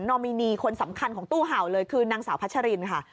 อมินีคนสำคัญของตู้เห่าเลยคือนางสาวพัชรินค่ะ